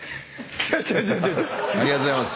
「ありがとうございます。